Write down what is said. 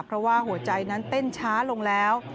เพราะว่าหัวใจนั้นเต้นช้าลงแล้ว